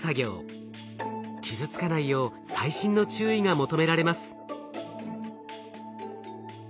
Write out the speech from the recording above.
傷つかないよう細心の注意が求められます。